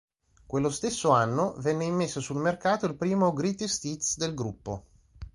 Quello stesso anno venne immesso sul mercato il primo "Greatest Hits" del gruppo.